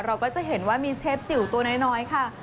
เราก็จะเห็นว่ามีเชฟจิ๋วตัวน้อยค่ะ